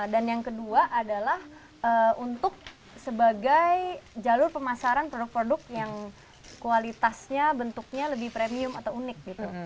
dan yang kedua adalah untuk sebagai jalur pemasaran produk produk yang kualitasnya bentuknya lebih premium atau unik gitu